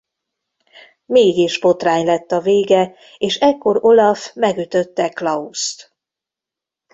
Mégis botrány lett a vége és ekkor Olaf megütötte Klaust.